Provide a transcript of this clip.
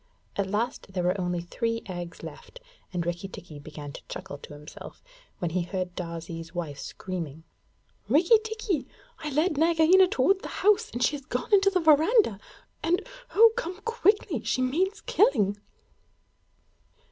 At last there were only three eggs left, and Rikki tikki began to chuckle to himself, when he heard Darzee's wife screaming: 'Rikki tikki, I led Nagaina toward the house, and she has gone into the verandah, and oh, come quickly she means killing!'